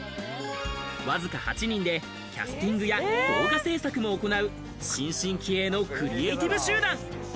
わずか８人で、キャスティングや動画制作も行う、新進気鋭のクリエーティブ集団。